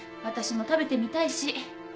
私も食べてみたいし。